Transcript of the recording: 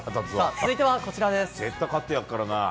続いてはこちらです。